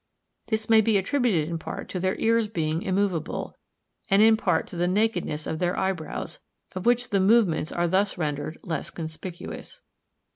This may be attributed in part to their ears being immovable, and in part to the nakedness of their eyebrows, of which the movements are thus rendered less conspicuous.